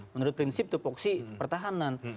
menurut prinsip itu voksi pertahanan